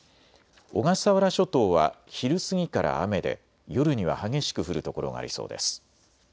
小笠原諸島は昼過ぎから雨で夜には激しく降る所がありそうです。